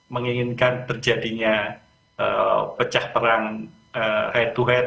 menginginkan terjadinya pecah perang head to head